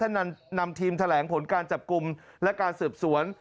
นำทีมแถลงผลการจับกลุ่มและการสืบสวน